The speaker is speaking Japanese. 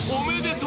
おめでとう！